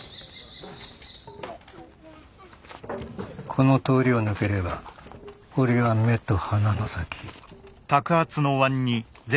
この通りを抜ければ堀は目と鼻の先。